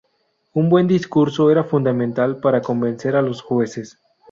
Un buen discurso era fundamental para convencer a los jueces.